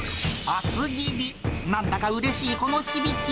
厚切り、なんだかうれしいこの響き。